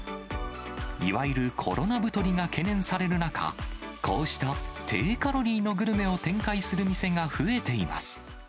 いわゆるコロナ太りが懸念される中、こうした低カロリーのグルメを展開する店が増えています。